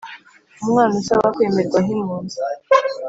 Umwana usaba kwemerwa nk’impunzi